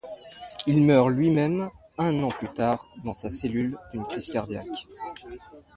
Il meurt lui-même un an plus tard dans sa cellule d'une crise cardiaque.